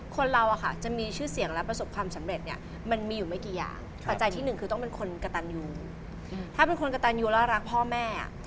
กลับมาไม่เคยมูเลย